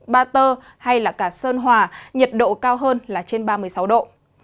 ba tơ hay là cả sơn hòa nhiệt độ cao hơn là trên ba mươi sáu độ